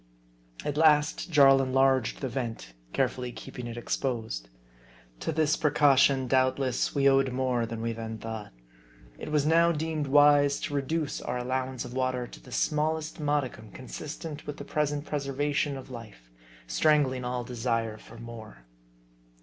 At last, Jarl enlarged the vent, carefully keeping it exposed. To this precaution, doubt less, we owed more than we then thought. It was now deemed wise to reduce our allowance of water to the small est modicum consistent with the present preservation of life ; strangling all desire for more.